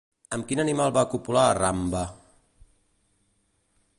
Amb quin animal va copular Rambha?